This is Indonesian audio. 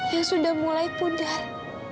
yang sudah mulai pudar